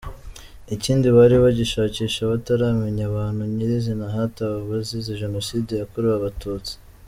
Ikindi bari bagishakisha bataramenya ahantu nyirizina hatawe abazize Jenoside yakorewe Abatutsi.